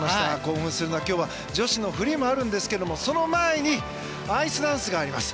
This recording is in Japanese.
今日は女子のフリーもあるんですけど、その前にアイスダンスがあります。